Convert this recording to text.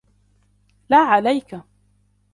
لا عليك!